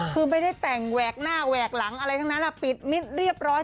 คือไม่ได้แต่งแหวกหน้าแหวกหลังอะไรทั้งนั้นปิดมิตรเรียบร้อย